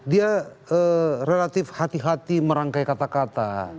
dia relatif hati hati merangkai kata kata